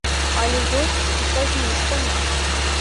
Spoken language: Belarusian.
Але ёсць і са зніжкамі.